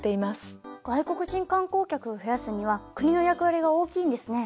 外国人観光客を増やすには国の役割が大きいんですね？